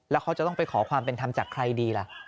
แล้วเขาจะต้องไปขอความเป็นธรรมจากใครดีล่ะ